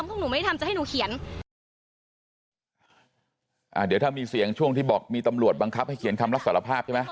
พวกหนูไม่ทำจะให้หนูเขียนอ่าเดี๋ยวถ้ามีเสียงช่วงที่บอกมีตำรวจบังคับให้เขียนคำรับสารภาพใช่ไหม